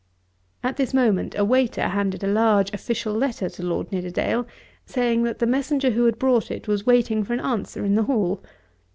At this moment a waiter handed a large official letter to Lord Nidderdale, saying that the messenger who had brought it was waiting for an answer in the hall.